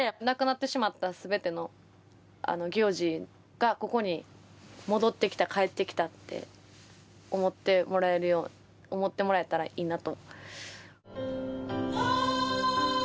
なくなってしまった全ての行事がここに戻ってきた帰ってきたって思ってもらえるように思ってもらえたらいいなと。